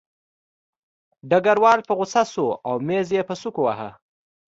ډګروال په غوسه شو او مېز یې په سوک وواهه